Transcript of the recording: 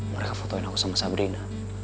mereka fotoin aku sama sabrina